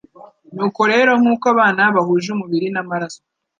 Nuko rero nk'uko abana bahuje umubiri n'amaraso,